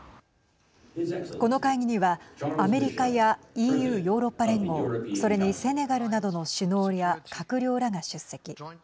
この会議にはアメリカやＥＵ＝ヨーロッパ連合それに、セネガルなどの首脳や閣僚らが出席。